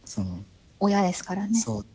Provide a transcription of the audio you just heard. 親ですからね。